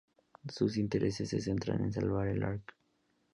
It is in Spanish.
Sus intereses se centran en salvar el Ark.